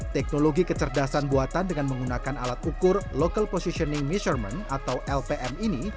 teknologi kecerdasan buatan dengan menggunakan alat ukur local positioning measurement atau lpm ini